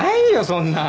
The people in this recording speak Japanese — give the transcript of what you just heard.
そんな。